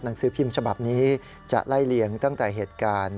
สือพิมพ์ฉบับนี้จะไล่เลียงตั้งแต่เหตุการณ์